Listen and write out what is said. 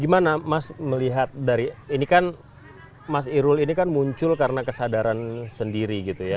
gimana mas melihat dari ini kan mas irul ini kan muncul karena kesadaran sendiri gitu ya